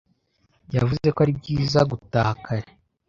yavuze ko ari byiza gutaha kare.